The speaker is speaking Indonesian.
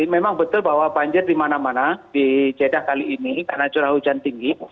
memang betul bahwa banjir di mana mana di jeddah kali ini karena curah hujan tinggi